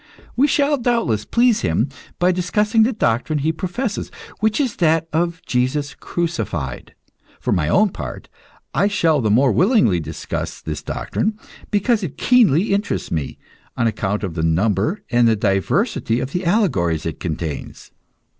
We shall, doubtless, please him by discussing the doctrine he professes, which is that of Jesus crucified. For my own part, I shall the more willingly discuss this doctrine, because it keenly interests me, on account of the number and the diversity of the allegories it contains.